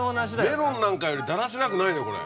メロンなんかよりだらしなくないねこれ。